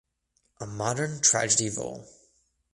A Modern Tragedy Vol.